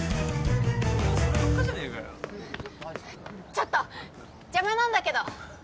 ちょっと邪魔なんだけど。